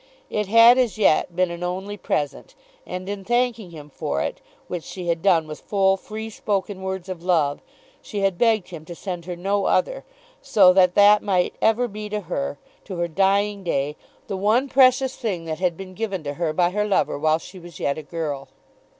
It had as yet been an only present, and in thanking him for it, which she had done with full, free spoken words of love, she had begged him to send her no other, so that that might ever be to her, to her dying day, the one precious thing that had been given to her by her lover while she was yet a girl.